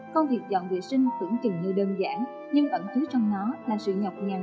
công việc dọn vệ sinh tưởng chừng như đơn giản nhưng ẩn trú trong nó là sự nhọc nhằn